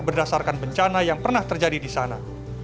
berdasarkan bencana yang pernah terjadi di sana